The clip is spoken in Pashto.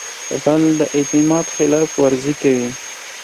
غل د اعتماد خلاف ورزي کوي